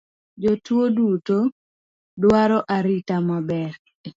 Jotuo duto dwaro arita maber